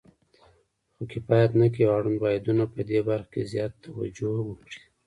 خو کفایت نه کوي او اړوند واحدونه پدې برخه کې زیاته توجه وکړي.